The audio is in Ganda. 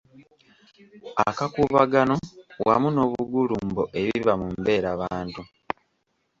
Akakuubagano wamu n’obugulumbo ebiba mu mbeerabantu